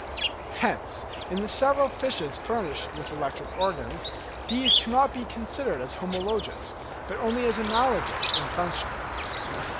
Hence in the several fishes furnished with electric organs, these cannot be considered as homologous, but only as analogous in function.